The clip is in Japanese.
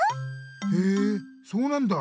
へえそうなんだ。